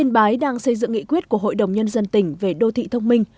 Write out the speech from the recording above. yên bái đang xây dựng nghị quyết của hội đồng nhân dân tỉnh về đô thị thông minh